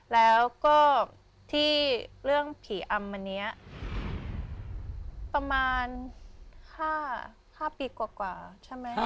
แล้วก็ที่เรื่องผีอำวันนี้ประมาณ๕ปีกว่าใช่ไหม